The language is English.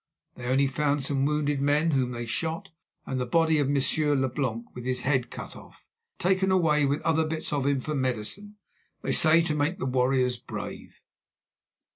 They only found some wounded men, whom they shot, and the body of Monsieur Leblanc with his head cut off, taken away with other bits of him for medicine, they say to make the warriors brave.